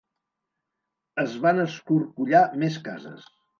Es van escorcollar més cases.